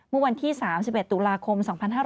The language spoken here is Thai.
เมื่อวันที่๓๑ตุลาคม๒๕๕๙